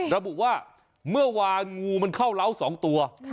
เราบอกว่าเมื่อวานงูมันเข้าเหล้าสองตัว